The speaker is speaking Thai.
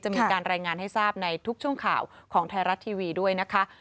มีการรายงานให้ทราบในทุกช่วงข่าวของไทยรัฐทีวีด้วยนะคะ